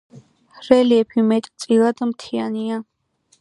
რელიეფი მეტწილად მთიანია.